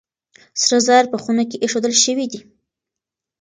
سره زر په خونه کې ايښودل شوي دي.